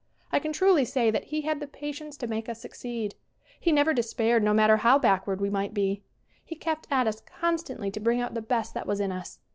I can truly say that he had the patience to make us succeed. He never despaired no matter how SCREEN ACTING 111 backward we might be. He kept at us con stantly to bring out the best that was in us.